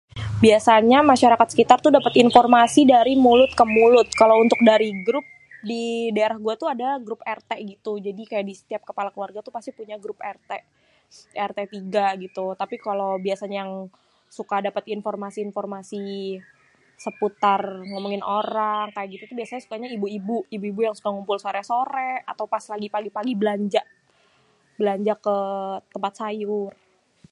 Biasanya masyarakat sekitar tuh dapét informasi dari mulut ke mulut, kalau untuk dari grup didaerah gua tuh ada grup RT gitu jadi kaya setiap kepala keluarga tuh pasti punya grup RT. kaya RT 3 gitu tapi kalo biasanya yang suka dapét infromasi-informasi seputar ngomongin orang kaya gitu biasanya suka ibu-ibu, ibu-ibu yang suka ngumpul sore-sore atau pas pagi-pagi lagi belanja, belanja ketempat sayur.